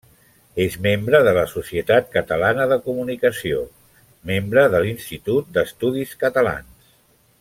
És membre de la Societat Catalana de Comunicació, membre de l'Institut d'Estudis Catalans.